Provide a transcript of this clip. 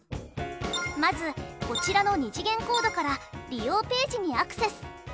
まずこちらの２次元コードから利用ページにアクセス。